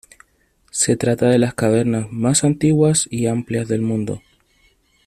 Se trata de las cavernas más antiguas y amplias del mundo.